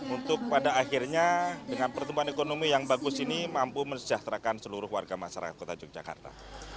untuk pada akhirnya dengan pertumbuhan ekonomi yang bagus ini mampu mensejahterakan seluruh warga masyarakat kota yogyakarta